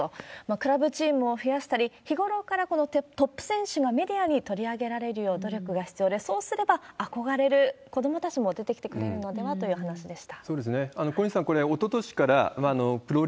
クラブチームを増やしたり、日頃からトップ選手がメディアに取り上げられるよう努力が必要で、そうすれば、憧れる子どもたちも出てきてくれるのではという話でした。